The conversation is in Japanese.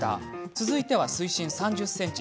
続いて水深３０ｃｍ。